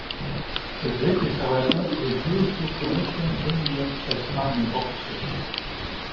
The British, however, refused to commission Indians as army officers.